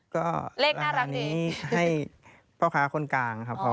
ก็เลขน่ารักดีราคานี้ให้เป้าค้าคนกลางครับอ๋อ